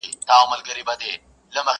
شراکت خو له کمزورو سره ښایي،